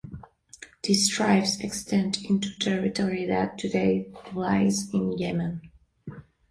These tribes extend into territory that today lies in Yemen.